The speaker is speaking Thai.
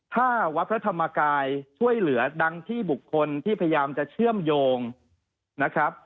ถ้าวัดพระธรรมกายช่วยเหลือดังที่บุคคลที่พยายามจะเชื่อมโยงนะครับ